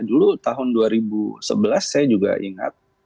dulu tahun dua ribu sebelas saya juga ingat